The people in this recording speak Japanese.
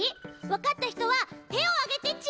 わかったひとはてをあげてち！